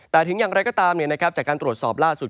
แต่ถึงอย่างไรก็ตามจากการตรวจสอบล่าสุด